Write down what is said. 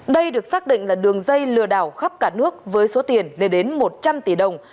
đây được xác định là đường dây lừa đảo khắp cả nước với số tiền lên đến một trăm linh tỷ đồng